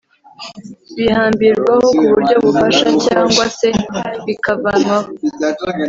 bihambirwaho kuburyo bufasha cg se bikavanwaho